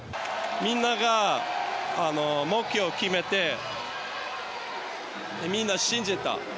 みんなが目標を決めてみんな信じた。